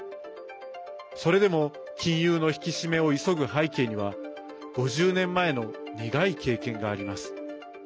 それでも金融の引き締めを急ぐ背景には５０年前の苦い経験があります。